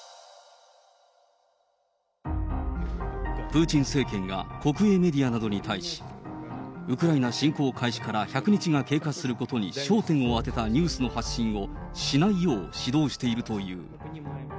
プーチン政権が国営メディアなどに対し、ウクライナ侵攻開始から１００日を経過することに焦点を当てたニュースの発信をしないよう指導しているという。